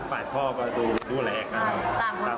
ฝ่ายพ่อก็ดูแลเขา